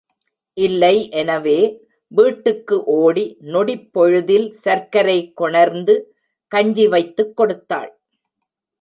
இல்லை எனவே, வீட்டுக்கு ஓடி, நொடிப்பொழுதில் சர்க்கரை கொணர்ந்து, கஞ்சி வைத்துக் கொடுத்தாள்.